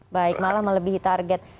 baik malah melebihi target